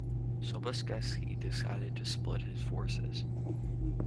Sobieski decided to split his forces.